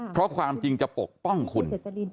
เพราะความจริงจะปกป้องคุณ